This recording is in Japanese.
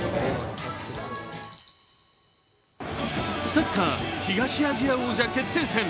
サッカー東アジア王者決定戦。